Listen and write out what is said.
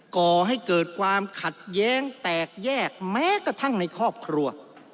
ก่อให้เกิดความขัดแย้งแตกแยกแม้กระทั่งในครอบครัว